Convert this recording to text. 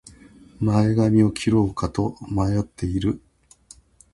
前髪を切ろうか迷っている